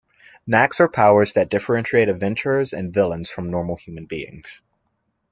Knacks are powers that differentiate adventurers and villains from normal human beings.